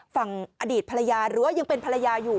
ฝั่งอดีตภรรยาหรือว่ายังเป็นภรรยาอยู่